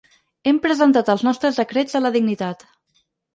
Hem presentat els nostres decrets de la dignitat.